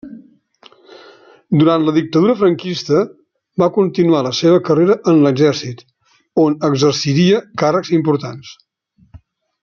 Durant la Dictadura franquista va continuar la seva carrera en l'Exèrcit, on exerciria càrrecs importants.